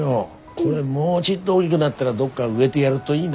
これもうちっと大きぐなったらどっか植えでやるといいな。